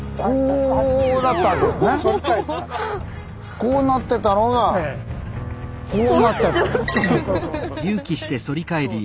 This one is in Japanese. こうなってたのがこうなっちゃった。